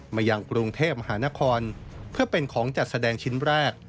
มายังกรุงเทพมหานครเพื่อเป็นของจัดแสดงชิ้นแรก